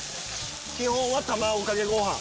基本は卵かけごはん。